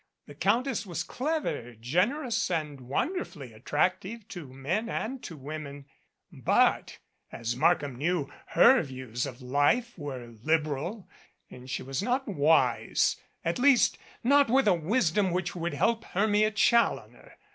The Countess was clever, generous and wonderfully attractive to men and to women but, as Markham knew, her views of life were liberal and she was not wise at least, not with a wisdom which would help Hermia Challoner.